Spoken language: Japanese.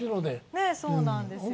ねえそうなんですよ。